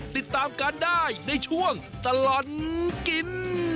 ติดตามกันได้ในช่วงตลอดกิน